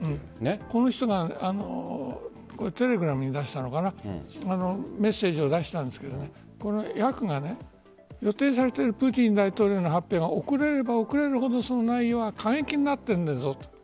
この人がテレグラムでメッセージを出したんですけどこの後、予定されているプーチン大統領の発表が遅れれば遅れるほどその内容が過激になってくるだろうと。